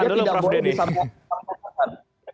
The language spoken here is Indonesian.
dia tidak boleh disamakan